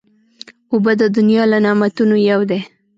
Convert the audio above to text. اوبه د دنیا له نعمتونو یو دی.